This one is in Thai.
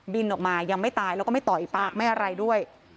ออกมายังไม่ตายแล้วก็ไม่ต่อยปากไม่อะไรด้วย